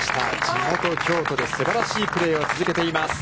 地元京都ですばらしいプレーを続けています。